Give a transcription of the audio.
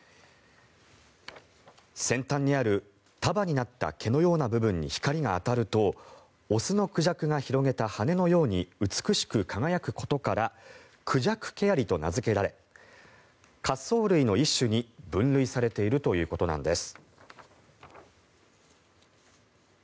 先端にある束になった毛のような部分に光が当たると雄のクジャクが広げた羽のように美しく輝くことからクジャクケヤリと名付けられ褐藻類の一種に分類されているということなんです。